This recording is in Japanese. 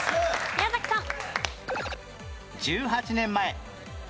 宮崎さん。